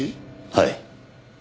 はい。